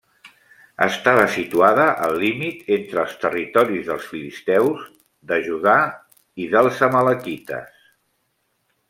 Estava situada al límit entre els territoris dels filisteus, de Judà i dels amalequites.